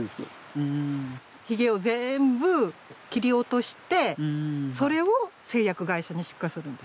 ヒゲを全部切り落としてそれを製薬会社に出荷するんです。